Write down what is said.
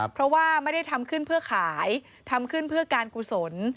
เพราะว่าไม่ได้ทำขึ้นเพื่อขายทำขึ้นเพื่อการกุศล